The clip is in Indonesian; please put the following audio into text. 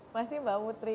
masih mbak putri